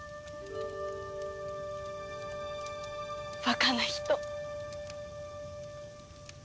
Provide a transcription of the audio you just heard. バカな人。